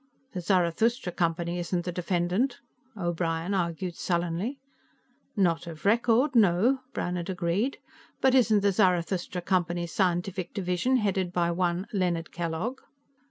"The Zarathustra Company isn't the defendant," O'Brien argued sullenly. "Not of record, no," Brannhard agreed. "But isn't the Zarathustra Company's scientific division headed by one Leonard Kellogg?"